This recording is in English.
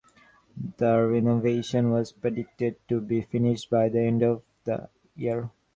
The renovation was predicted to be finished by the end of the year.